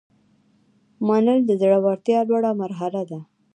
منل د زړورتیا لوړه مرحله ده.